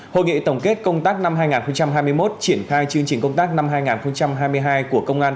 hội nghị tổng kết công tác năm hai nghìn hai mươi một triển khai chương trình công tác năm hai nghìn hai mươi hai của công an